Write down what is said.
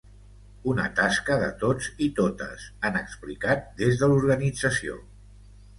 Una tasca de tots i totes, han explicat des de l’organització.